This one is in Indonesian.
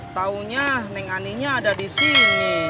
tahunya neng aninya ada di sini